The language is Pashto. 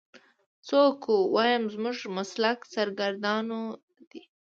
څه وکو ويم زموږ مسلک سرګردانه دی.